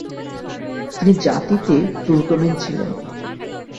তিনি জাতিতে তুর্কমেন ছিলেন।